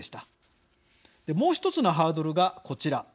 もう一つのハードルがこちら。